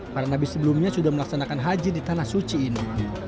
para nabi sebelumnya sudah melaksanakan haji di tanah suci ini